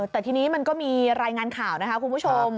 แต่ทีนี้มันก็มีรายงานข่าวนะคะคุณผู้ชม